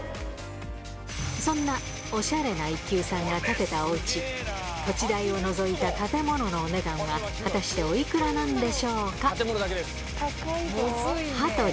そんなおしゃれな１級さんが建てたおうち、土地代を除いた建物のお値段は、果たしておいくらなんでしょうか？